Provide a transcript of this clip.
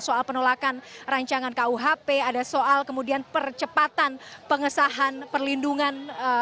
soal penolakan rancangan kuhp ada soal kemudian percepatan pengesahan perlindungan